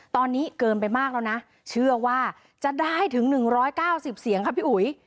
ตอนนี้เกินไปมากแล้วนะเชื่อว่าจะได้ถึงหนึ่งร้อยเก้าสิบเสียงค่ะพี่อุ๋ย